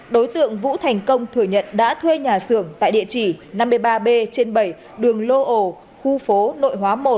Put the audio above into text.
đối tượng vũ thành công thừa nhận đã thuê nhà xưởng tại địa chỉ năm mươi ba b trên bảy đường lô ồ khu phố nội hóa một